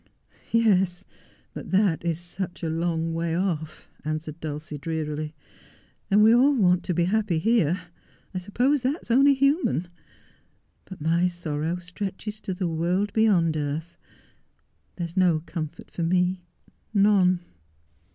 ' Yes, but that is such a long way off,' answered Dulcie drearily, ' and we all want to be happy here. I suppose that is only human. Put my sorrow stretches to the world beyond earth. There i& no comfort for me — none.'